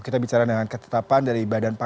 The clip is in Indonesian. kita bicara dengan ketetapan dari badan pangan